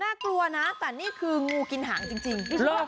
กลัวนะแต่นี่คืองูกินหางจริง